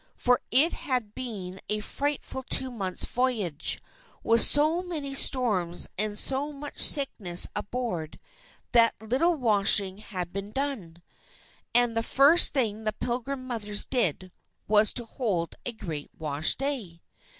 For it had been a frightful two months' voyage, with so many storms and so much sickness aboard, that little washing had been done. And the first thing the Pilgrim Mothers did, was to hold a great wash day.